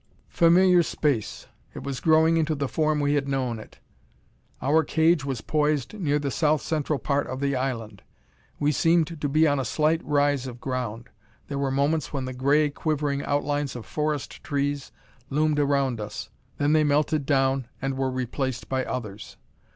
Familiar space! It was growing into the form we had known it. Our cage was poised near the south central part of the island. We seemed to be on a slight rise of ground. There were moments when the gray quivering outlines of forest trees loomed around us; then they melted down and were replaced by others.